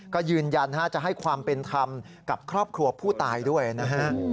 ก็ยืนยันจะให้ความเป็นธรรมกับครอบครัวผู้ตายด้วยนะฮะ